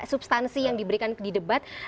substansi yang diberikan di debat